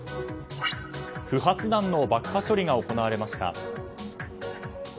不発弾の爆破処理が行われました。